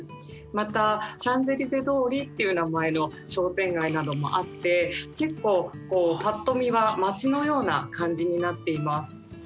またシャンゼリゼ通りっていう名前の商店街などもあって結構ぱっと見は町のような感じになっています。